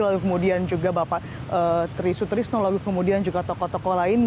lalu kemudian juga bapak tri sutrisno lalu kemudian juga tokoh tokoh lain